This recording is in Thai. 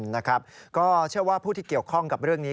นะครับก็เชื่อว่าผู้ที่เกี่ยวข้องกับเรื่องนี้